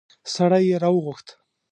سړی يې راوغوښت.